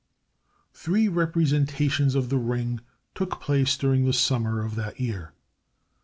Three representations of the Ring took place during the summer of that year.